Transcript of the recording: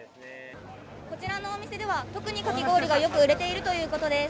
こちらのお店では、特にかき氷がよく売れているということです。